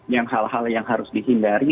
yang hal hal yang harus dihindari